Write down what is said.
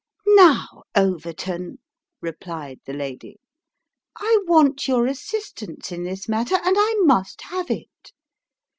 " Now, Overton," replied the lady, " I want your assistance in this matter, and I must have it.